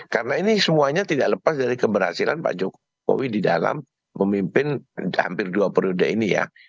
karena ini semuanya tidak lepas dari keberhasilan pak jokowi di dalam memimpin hampir dua periode ini ya